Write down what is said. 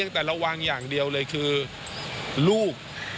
แต่ระวังอย่างเดียวเลยคือลูก